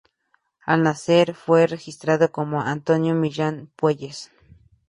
Al nacer, fue registrado como Antonio Millán Puelles.